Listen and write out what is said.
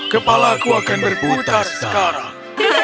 kepala aku akan berputar sekarang